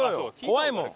怖いもん。